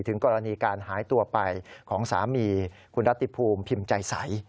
กรณีการหายตัวไปของสามีคุณรัติภูมิพิมพ์ใจใส